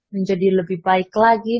menjadi lebih baik lagi